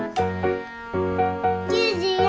９４！